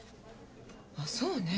あっそうね。